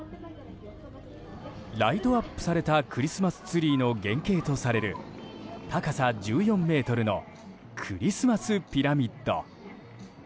ライトアップされたクリスマスツリーの原型とされる高さ１４ｍのクリスマスピラミッド。